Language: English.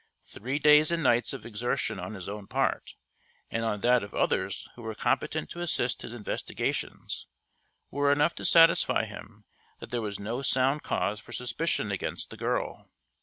Three days and nights of exertion on his own part, and on that of others who were competent to assist his investigations, were enough to satisfy him that there was no sound cause for suspicion against the girl.